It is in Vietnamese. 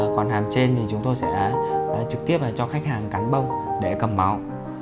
còn hàng trên thì chúng tôi sẽ trực tiếp cho khách hàng cắn bông để cầm máu